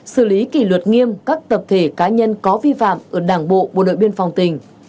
xử lý kỷ luật nghiêm các tập thể cá nhân có vi phạm ở đảng bộ bộ đội biên phòng tỉnh